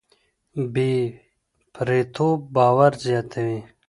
بې پرېتوب باور زياتوي.